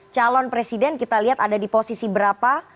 calon presiden kita lihat ada di posisi berapa